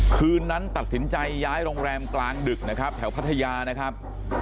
คืนนั้นตัดสินใจย้ายโรงแรมกลางดึกนะครับแถวพัทยานะครับ